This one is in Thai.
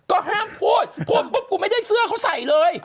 ก็ห้ามพูดพูดปุ๊บกูไม่ได้เสื้อเขาใส่เลย